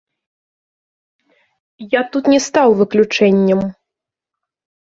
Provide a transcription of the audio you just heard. Я тут не стаў выключэннем.